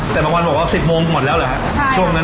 แต่บางวันบอกว่า๑๐โมงหมดแล้วเหรอครับ